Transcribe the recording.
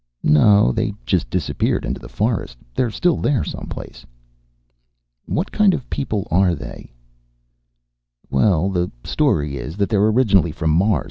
"No. They just just disappeared. Into their forest. They're still there, someplace." "What kind of people are they?" "Well, the story is that they're originally from Mars.